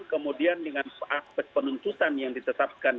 kemudian dengan aspek penuntutan yang ditetapkan